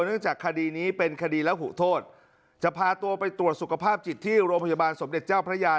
เนื่องจากคดีนี้เป็นคดีและหูโทษจะพาตัวไปตรวจสุขภาพจิตที่โรงพยาบาลสมเด็จเจ้าพระยา